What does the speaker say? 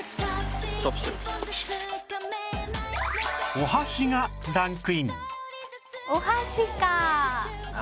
お箸がランクイン